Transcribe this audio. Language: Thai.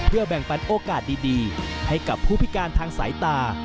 แบ่งปันโอกาสดีให้กับผู้พิการทางสายตา